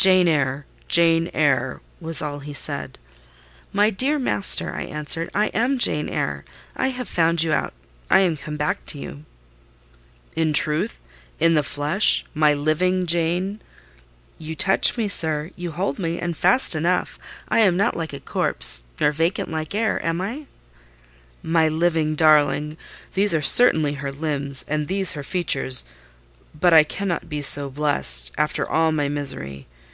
"Jane Eyre!—Jane Eyre," was all he said. "My dear master," I answered, "I am Jane Eyre: I have found you out—I am come back to you." "In truth?—in the flesh? My living Jane?" "You touch me, sir,—you hold me, and fast enough: I am not cold like a corpse, nor vacant like air, am I?" "My living darling! These are certainly her limbs, and these her features; but I cannot be so blest, after all my misery.